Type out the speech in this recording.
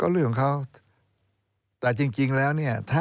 เรื่องของเขาแต่จริงแล้วเนี่ย